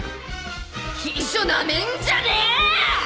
秘書なめんじゃねえ！！